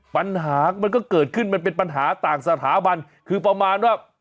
ปัญหามันก็เกิดขึ้นมันเป็นปัญหาต่างสถาบันคือประมาณว่า